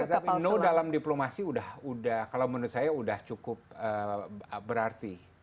tapi no dalam diplomasi udah cukup berarti